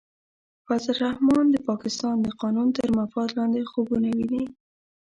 فضل الرحمن د پاکستان د قانون تر مفاد لاندې خوبونه ویني.